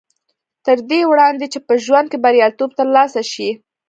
تر دې وړاندې چې په ژوند کې برياليتوب تر لاسه شي.